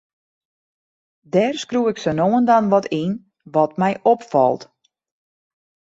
Dêr skriuw ik sa no en dan wat yn, wat my opfalt.